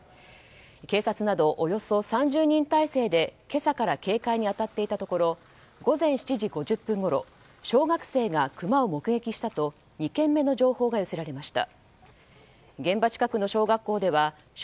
警察などおよそ３０人態勢で今朝から警戒に当たっていたところ午前７時５０分ごろ小学生がクマを目撃したと２件目の情報が寄せられました。